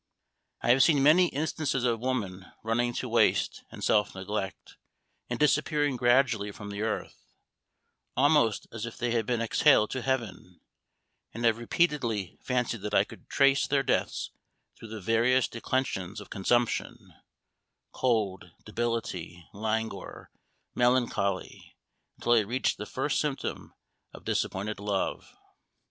I have seen many instances of women running to waste and self neglect, and disappearing gradually from the earth, almost as if they had been exhaled to heaven; and have repeatedly fancied that I could trace their deaths through the various declensions of consumption, cold, debility, languor, melancholy, until I reached the first symptom of disappointed love.